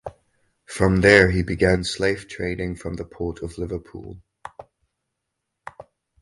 From there he began slave trading from the Port of Liverpool.